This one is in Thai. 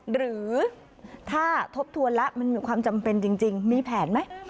หรือถ้าทบทวนแล้วมันมีความจำเป็นจริงมีแผนไหม